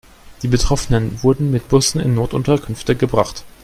Die Betroffenen wurden mit Bussen in Notunterkünfte gebracht.